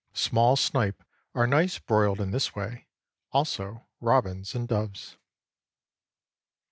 Small snipe are nice broiled in this way; also robins and doves.